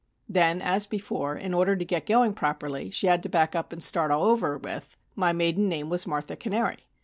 Then, as before, in order to get going properly, she had to back up and start all over with: "My maiden name was Martha Cannary."